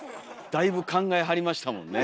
だいぶ考えはりましたもんね。